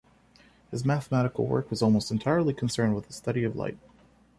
His mathematical work was almost entirely concerned with the study of light.